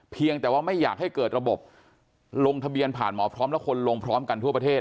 เพียงแต่ว่าไม่อยากให้เกิดระบบลงทะเบียนผ่านหมอพร้อมและคนลงพร้อมกันทั่วประเทศ